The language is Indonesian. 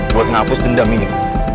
buat ngapus dendam ini